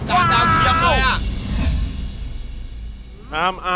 สเต็กจานดาวเทียมอะไรอ่ะ